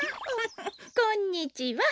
こんにちは。